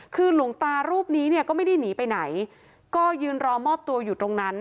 คือหลวงตารูปนี้เนี่ยก็ไม่ได้หนีไปไหนก็ยืนรอมอบตัวอยู่ตรงนั้น